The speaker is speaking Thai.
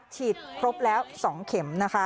ฉีดครบแล้ว๒เข็ม